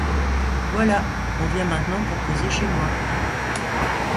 Voilà! on vient maintenant pour causer chez moi.